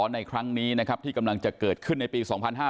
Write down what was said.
ในครั้งนี้นะครับที่กำลังจะเกิดขึ้นในปี๒๕๕๙